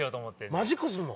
マジックすんの？